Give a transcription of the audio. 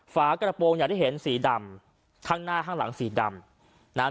ฝากระโปรงอย่างที่เห็นสีดำข้างหน้าข้างหลังสีดำนะฮะ